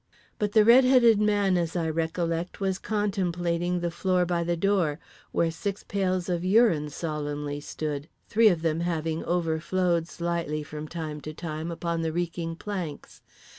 But the red headed man, as I recollect, was contemplating the floor by the door, where six pails of urine solemnly stood, three of them having overflowed slightly from time to time upon the reeking planks….